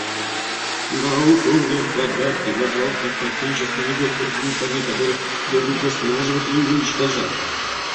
Полковник Каддафи назвал своих соотечественников «крысами», которых следует выслеживать и уничтожать.